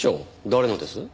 誰のです？